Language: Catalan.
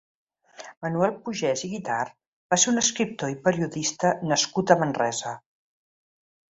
Manuel Pugès i Guitart va ser un escriptor i periodista nascut a Manresa.